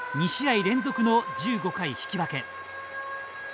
２試合連続の１５回引き分け。